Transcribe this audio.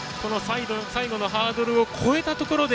最後のハードルを越えたところで